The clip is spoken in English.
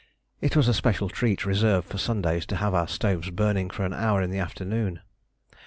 It was a special treat reserved for Sundays to have our stoves burning for an hour in the afternoon.